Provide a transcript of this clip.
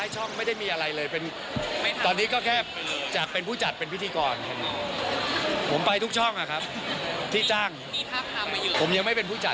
โลกมันก็เหมือนเกิดแก่เจ็บตายมีรายการแล้วก็ไม่มีรายการ